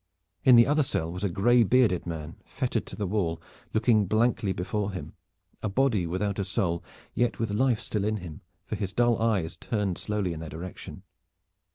In the other cell was a graybearded man fettered to the wall, looking blankly before him, a body without a soul, yet with life still in him, for his dull eyes turned slowly in their direction.